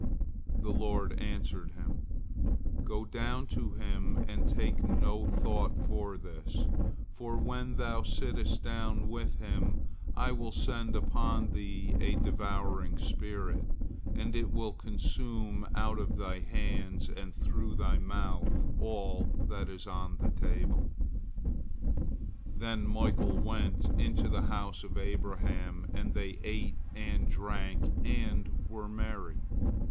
The Lord answered him, "Go down to him and take no thought for this, for when thou sittest down with him, I will send upon thee a devouring spirit, and it will consume out of thy hands and through thy mouth all that is on the table." Then Michael went into the house of Abraham, and they ate and drank and were merry.